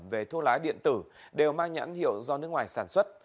về thuốc lá điện tử đều mang nhãn hiệu do nước ngoài sản xuất